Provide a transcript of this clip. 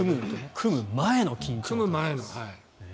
組む前の緊張感。